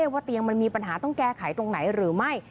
ว่าเตียงมันมีปัญหาต้องแก้ไขตรงไหนหรือไม่